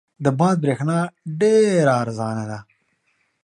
د باد برېښنا ډېره ارزانه ده.